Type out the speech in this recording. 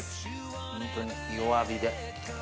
ホントに弱火で。